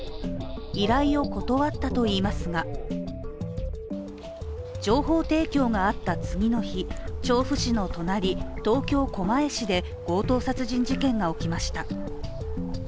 依頼を断ったといいますが情報提供があった次の日、調布市の隣、東京・狛江市で強盗殺人事件が起きました。